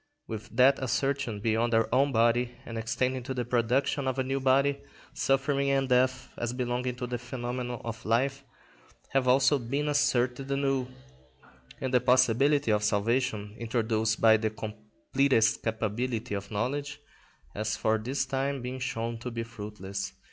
With that assertion beyond our own body and extending to the production of a new body, suffering and death, as belonging to the phenomenon of life, have also been asserted anew, and the possibility of salvation, introduced by the completest capability of knowledge, has for this time been shown to be fruitless.